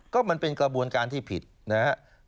ก็มันเป็นกระบวนการที่ผิดนะครับ